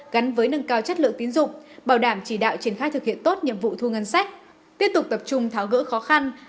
gắn với nâng cao chất lượng tiến dụng bảo đảm chỉ đạo triển khai thực hiện tốt nhiệm vụ thu ngân sách